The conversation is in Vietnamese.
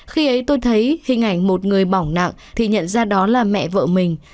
khi ấy tôi thấy hình ảnh một người bỏng nặng thì nhận ra đó là mẹ vợ mình